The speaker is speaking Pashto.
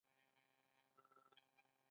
په لرغوني تاریخ کې نمونې موندلای شو